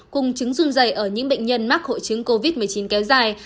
cung chứng dung dày ở những bệnh nhân mắc hội chứng covid một mươi chín kéo dài